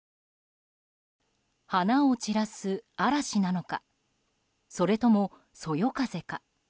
花を散らす嵐なのかそれとも、そよ風か。